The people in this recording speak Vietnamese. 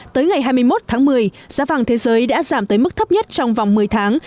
tới ngày hai mươi một tháng một mươi giá vàng thế giới đã giảm tới mức thấp nhất trong vòng một mươi tháng